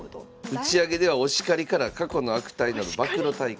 打ち上げではお叱りから過去の悪態など暴露大会。